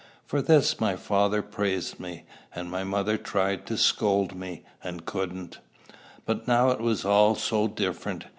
For this my father praised me, and my mother tried to scold me, and couldn't. But now it was all so different!